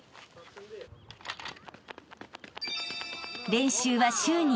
［練習は週に５日］